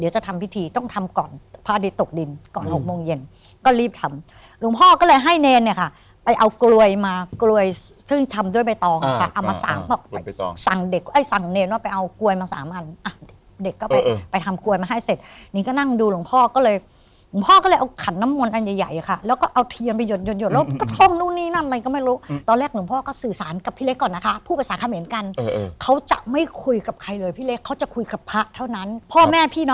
สั่งเด็กเอ้ยสั่งเนมว่าไปเอากลวยมา๓อันเด็กก็ไปทำกลวยมาให้เสร็จนิ้งก็นั่งดูหลุงพ่อก็เลยหลุงพ่อก็เลยเอาขันน้ำมนต์อันใหญ่ค่ะแล้วก็เอาเทียมไปหยดแล้วก็ท่องนู่นนี่นั่นอะไรก็ไม่รู้ตอนแรกหลุงพ่อก็สื่อสารกับพี่เล็กก่อนนะคะพูดภาษาเขมรกันเขาจะไม่คุยกับใครเลยพี่เล็กเขาจะคุยกับพระเท่านั้นพ่อแม่พ